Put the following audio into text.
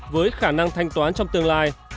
với khả năng thanh toán trong tương lai